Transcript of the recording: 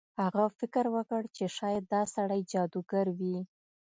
هغه فکر وکړ چې شاید دا سړی جادوګر وي.